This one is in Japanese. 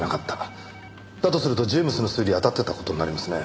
だとするとジェームズの推理当たってた事になりますね。